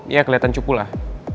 ya keliatan cukul lah